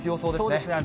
そうですね。